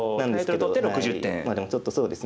でもちょっとそうですね